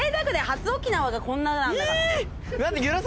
初沖縄がこんななんだから。